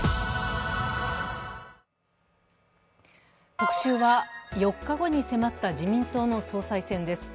「特集」は４日後に迫った自民党の総裁選です。